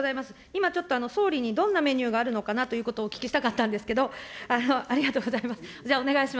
今ちょっと総理にどんなメニューがあるのかなということをお聞きしたかったんですけれども、ありがとうございます。